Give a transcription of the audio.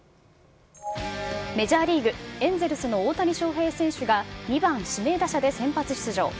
メジャーリーグ・エンゼルスの大谷翔平選手が、２番指名打者で先発出場。